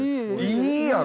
いいやん！